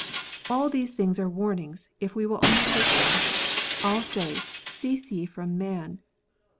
All these things are warnings, if we will only take them. All say, "Cease ye from man."